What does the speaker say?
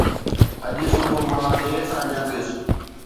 اڄ صبح مان دير سان جاڳيس